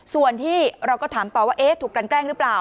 ส่วนที่เราก็ถามต่อว่าถูกกันแกล้งหรือเปล่า